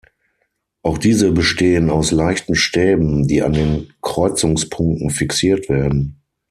Auch diese bestehen aus leichten Stäben, die an den Kreuzungspunkten fixiert werden.